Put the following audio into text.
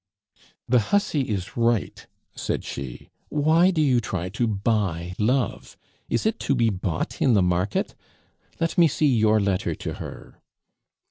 "The hussy is right!" said she. "Why do you try to buy love? Is it to be bought in the market! Let me see your letter to her."